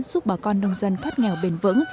giúp bà con nông dân thoát nghèo bền vững